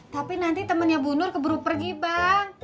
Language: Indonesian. tapi nanti temennya bu nur keburu pergi bang